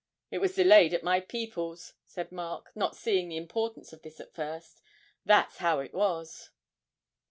'It was delayed at my people's,' said Mark, not seeing the importance of this at first, 'that's how it was.'